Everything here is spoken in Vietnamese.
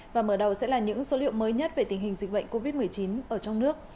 và mở đầu sẽ là những số liệu mới nhất về tình hình dịch bệnh covid một mươi chín ở trong nước